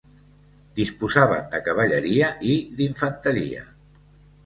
Disposaven de cavalleria i d'infanteria.